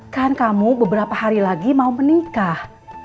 kan kamu beberapa hari lagi mau menikah